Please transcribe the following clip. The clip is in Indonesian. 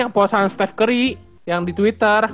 posaan steph curry yang di twitter